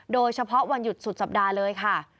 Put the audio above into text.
โดยเฉพาะวันหยุดสุดสัปดาห์เลยค่ะ